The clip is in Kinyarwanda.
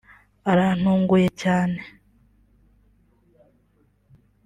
arantunguye cyane